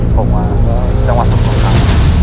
ผมว่าจังหวัดสมุทรสงคราม